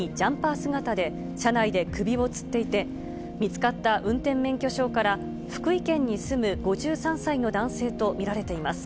姿で、車内で首をつっていて、見つかった運転免許証から福井県に住む５３歳の男性と見られています。